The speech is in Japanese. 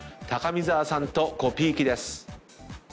高見沢さんとコピー機です。